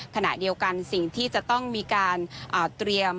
ขณะเดียวกันสิ่งที่จะต้องมีการเตรียม